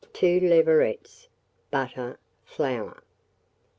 2 leverets, butter, flour.